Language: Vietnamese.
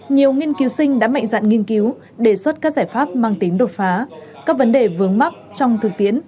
nhiều nghiên cứu sinh đã mạnh dạng nghiên cứu đề xuất các giải pháp mang tính đột phá các vấn đề vướng mắc trong thực tiễn